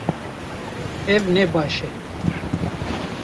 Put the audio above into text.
Ew ne baş e